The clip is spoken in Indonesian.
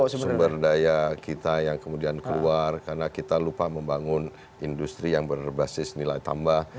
ada sumber daya kita yang kemudian keluar karena kita lupa membangun industri yang berbasis nilai tambah